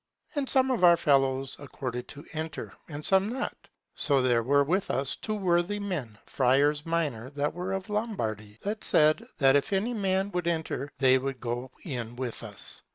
And some of our fellows accorded to enter, and some not. So there were with us two worthy men, friars minors, that were of Lombardy, that said, that if any man would enter they would go in with us.